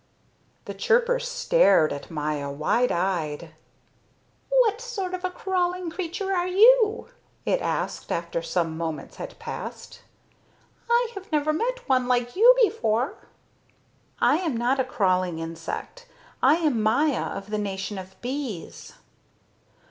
The chirper stared at Maya, wide eyed. "What sort of a crawling creature are you?" it asked after some moments had passed. "I have never met one like you before." "I am not a crawling insect. I am Maya, of the nation of bees."